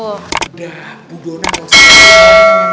udah bu dona mau siapin